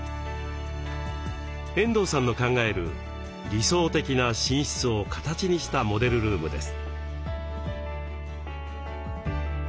遠藤さんの考える「理想的な寝室」を形にしたモデルルームです。